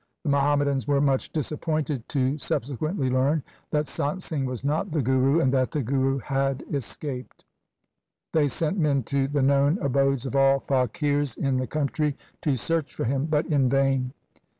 The Muhammadans were much disappointed to subse quently learn that Sant Singh was not the Guru, and that the Guru had escaped. They sent men to the known abodes of all faqirs in the country to search for him, but in vain.